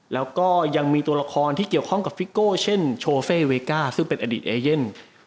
แล้วก็ยังมีตัวละครที่เกี่ยวข้องกับฟิโก้เช่นโชเฟ่เวก้าซึ่งเป็นอดีตเอเย่น